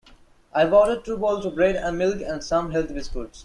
I've ordered two bowls of bread-and-milk and some health biscuits.